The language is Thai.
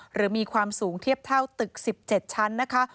หรือมีความสูงเทียบเท่าตึก๑๗ชั้นนะคะ